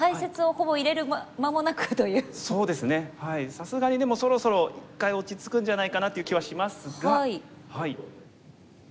さすがにでもそろそろ一回落ち着くんじゃないかなという気はしますが。